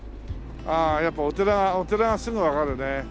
ああやっぱお寺はお寺はすぐわかるね。